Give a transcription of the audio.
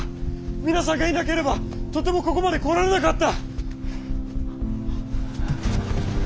皆さんがいなければとてもここまで来られなかった！